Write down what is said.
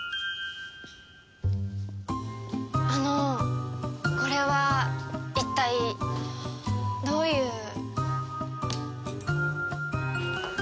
あのこれは一体どういう？